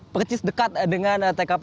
percis dekat dengan tkp